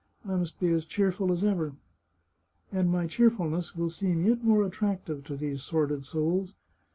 I must be as cheerful as ever. And my cheerfulness will seem yet more attractive to these sordid souls.